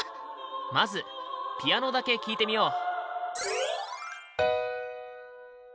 まずピアノだけ聴いてみよう。